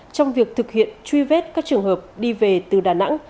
trong việc thực hiện truy vết các trường hợp đi về từ đà nẵng